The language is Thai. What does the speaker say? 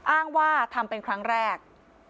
อ้างว่าทำเป็นครั้งแรก